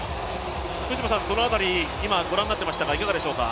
その辺り、今、ご覧になっていましたがいかがでした？